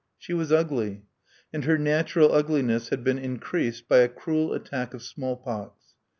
She was ugly; and her natural ugliness had been increased by a cruel attack of smallpox.